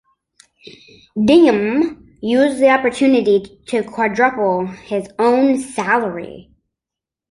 Diem used the opportunity to quadruple his own salary.